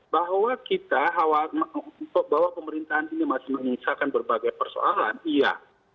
bahwa kita bahwa pemerintahan ini masih menyisakan berbagai persoalan iya